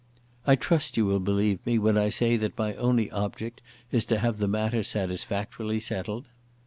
"I trust you will believe me when I say that my only object is to have the matter satisfactorily settled.